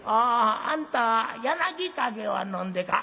「あんた柳陰は飲んでか？」。